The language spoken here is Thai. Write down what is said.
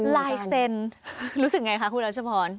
ลายเซ็นรู้สึกไงคะคุณแล้วเฉพาะ